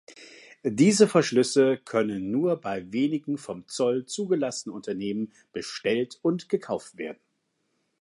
Diese Verschlüsse können nur bei wenigen vom Zoll zugelassenen Unternehmen bestellt und gekauft werden.